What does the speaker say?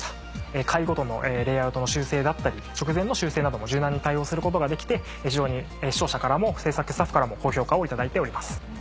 回ごとのレイアウトの修正だったり直前の修正なども柔軟に対応することができて非常に視聴者からも制作スタッフからも高評価を頂いております。